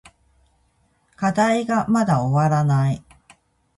課題がまだ終わらない。